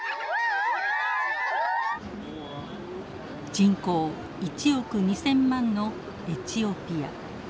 人口１億２，０００万のエチオピア。